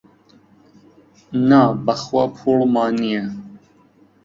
نا بەخوا پووڵمان نییە.